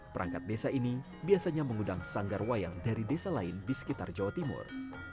perangkat desa ini biasanya mengundang sanggar wayang dari desa lain di sekitar jawa timur